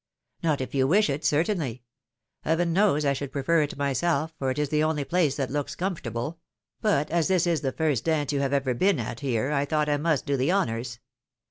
"Not if you wish it, certainly. Heaven knows I should prefer it myself, for it is the only place that looks comfortable ; but as this is the first dance you have ever been at here, I thought I must do the honours.